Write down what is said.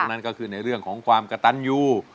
นั่นก็คือในเรื่องของความกระตันยู